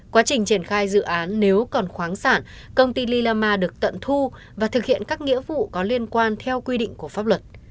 quá trình triển khai dự án nếu còn khoáng sản công ty lilama được tận thu và thực hiện các nghĩa vụ có liên quan theo quy định của pháp luật